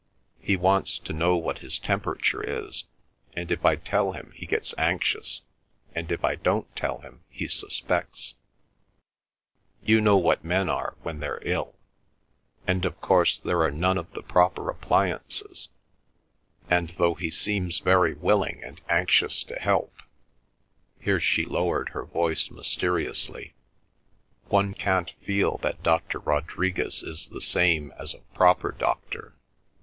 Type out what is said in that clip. He wants to know what his temperature is, and if I tell him he gets anxious, and if I don't tell him he suspects. You know what men are when they're ill! And of course there are none of the proper appliances, and, though he seems very willing and anxious to help" (here she lowered her voice mysteriously), "one can't feel that Dr. Rodriguez is the same as a proper doctor.